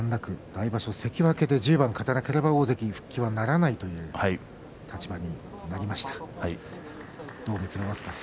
来場所は関脇で１０番勝たないと大関復帰はかなわないという立場になりました。